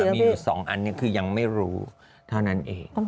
มีอยู่๒อันนี้คือยังไม่รู้เท่านั้นเอง